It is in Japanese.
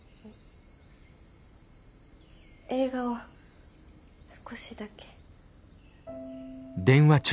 映画を少しだけ。